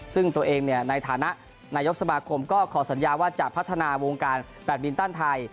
ซึ่งตัวเองในฐานะนายกสมาคมก็ขอสัญญาว่าจะพัฒนาวงการแบตมินตันไทย